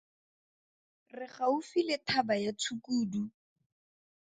Re gaufi le thaba ya Tshukudu!